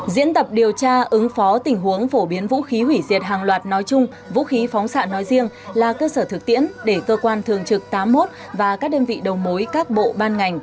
diễn tập điều tra ứng phó tình huống phổ biến vũ khí hủy diệt hàng loạt nói chung vũ khí phóng xạ nói riêng là cơ sở thực tiễn để cơ quan thường trực tám mươi một và các đơn vị đầu mối các bộ ban ngành